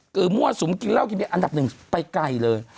คือมั่วสุมกินเหล้ากินเบียอันดับหนึ่งไปไกลเลย